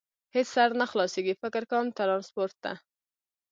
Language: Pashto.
هېڅ سر نه خلاصېږي، فکر کوم، ترانسپورټ ته.